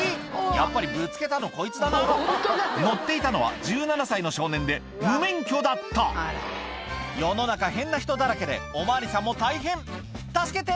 やっぱりぶつけたのこいつだな乗っていたのは１７歳の少年で無免許だった世の中変な人だらけでお巡りさんも大変「助けて！